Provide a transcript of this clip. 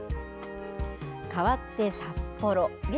かわって札幌。